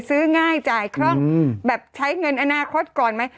ซื้อง่ายจ่ายคล่องแบบใช้เงินอนาคตก่อนไหม